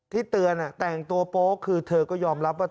เตือนแต่งตัวโป๊กคือเธอก็ยอมรับว่า